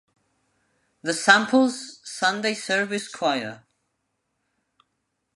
The Samples "Sunday Service Choir"